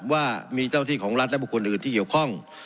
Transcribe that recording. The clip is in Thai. ว่ามีเจ้าที่ของรัฐและบุคคลอื่นที่เกี่ยวข้อง